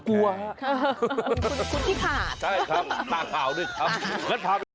คุณที่ขาดใช่ครับตาขาวด้วยครับ